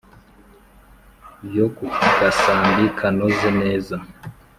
Yo ku gasambi kanoze neza